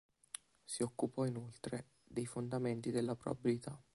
Si occupò inoltre dei fondamenti della probabilità.